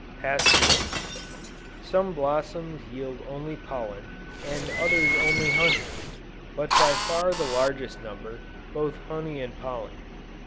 PASTURAGE. Some blossoms yield only pollen, and others only honey; but by far the largest number, both honey and pollen.